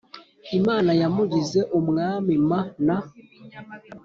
Imana yamugize Umwami m na